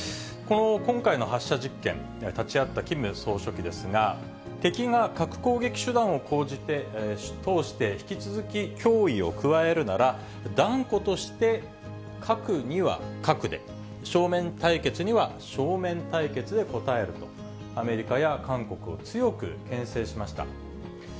今回の発射実験、立ち会ったキム総書記ですが、敵が核攻撃手段を通して、引き続き脅威を加えるなら、断固として核には核で、正面対決には正面対決で応えると、アメリカや韓国を強くけん制しました。